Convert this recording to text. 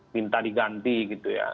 minta diganti gitu ya